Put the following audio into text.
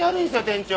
店長。